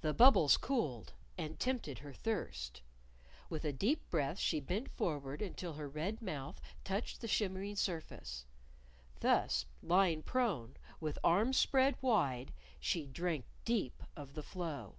The bubbles cooled. And tempted her thirst. With a deep breath, she bent forward until her red mouth touched the shimmering surface. Thus, lying prone, with arms spread wide, she drank deep of the flow.